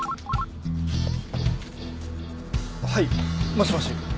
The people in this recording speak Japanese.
はいもしもし